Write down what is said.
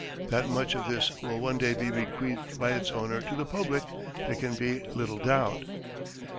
That much of this will one day be bequeathed by its owner to the public there can be little doubt.